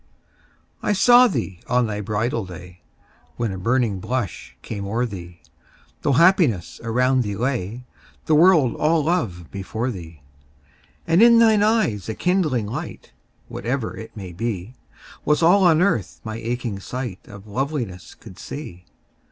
I saw thee on thy bridal day When a burning blush came o'er thee, Though happiness around thee lay, The world all love before thee: And in thine eye a kindling light (Whatever it might be) Was all on Earth my aching sight Of Loveliness could see.